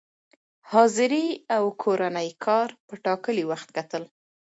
حاضري او کورني کار په ټاکلي وخت کتل،